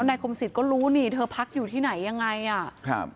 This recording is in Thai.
แล้วนายคมสิทธิ์ก็รู้นี่เธอพักอยู่ที่ไหนอย่างไรอ่ะครับ